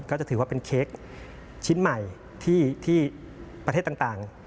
ก็จะถือว่าเป็นเค้กชิ้นใหม่ที่ประเทศต่าง